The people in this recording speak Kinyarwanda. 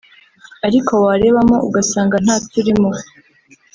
ariko warebamo ugasanga ntaturimo